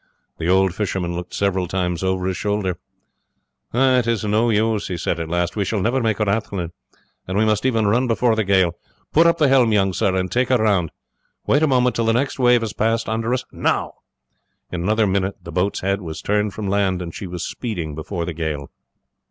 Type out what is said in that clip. The old fisherman looked several times over his shoulder. "It is of no use," he said at last; "we shall never make Rathlin, and must even run before the gale. Put up the helm, young sir, and take her round. Wait a moment till the next wave has passed under us now!" In another minute the boat's head was turned from land, and she was speeding before the gale.